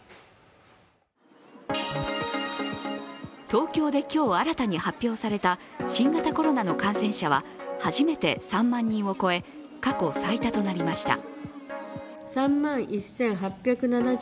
東京で今日新たに発表された新型コロナの感染者は初めて３万人を超え、過去最多となりました。